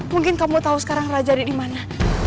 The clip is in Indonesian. mungkin kamu tahu sekarang raja ada di mana